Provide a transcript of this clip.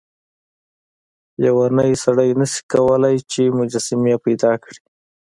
لیونی سړی نشي کولای چې مجسمې پیدا کړي.